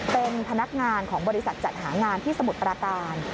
เป็นพนักงานของบริษัทจัดหางานที่สมุทรปราการ